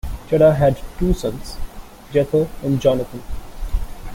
Jada had two sons, Jether and Jonathan.